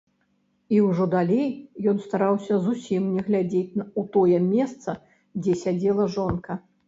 І ўжо далей ён стараўся зусім не глядзець у тое месца, дзе сядзела жонка.